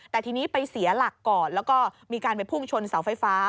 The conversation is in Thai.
แต่ทีนี้ไปเสียหลักก่อนแล้วก็มีการไปพุ่งชนเสาไฟฟ้า